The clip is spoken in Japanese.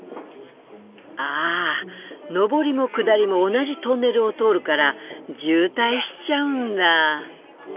ああ上りも下りも同じトンネルを通るから渋滞しちゃうんだ。